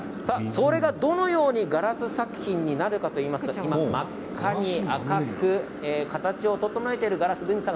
それがどのようにガラス作品になるかといいますと軍司さんが赤く形を整えています。